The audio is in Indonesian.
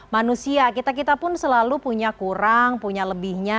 manusia kita kita pun selalu punya kurang punya lebihnya